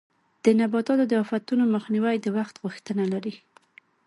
د نباتو د آفتونو مخنیوی د وخت غوښتنه لري.